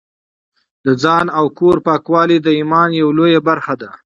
د ځان او کور پاکوالی د ایمان یوه لویه برخه ده.